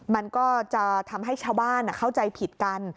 มันก็จะทำให้ชาวบ้านเข้าใจผิดกัน